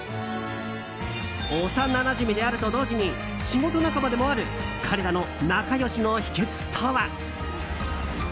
幼なじみであると同時に仕事仲間でもある彼らの仲良しの秘訣とは？